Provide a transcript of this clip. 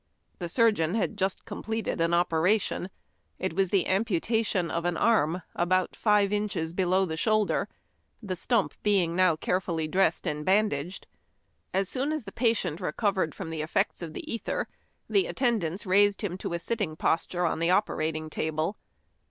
The surgeon had just completed an oper ation. It was the amputation of an arm about five inches below the shoulder, the stump being now carefully dressed and bandaged. As soon as the patient recovered from the effects of the ether, the attendants raised him to a sitting posture on the operating table.